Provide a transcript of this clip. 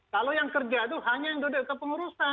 kalau yang kerja itu hanya yang duduk ke pengurusan